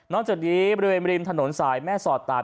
จากนี้บริเวณริมถนนสายแม่สอดตาด